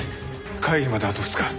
会議まであと２日。